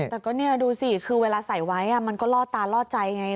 แต่ก็เนี่ยดูสิคือเวลาใส่ไว้มันก็ล่อตาล่อใจไง